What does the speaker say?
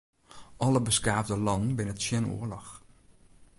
Alle beskaafde lannen binne tsjin oarloch.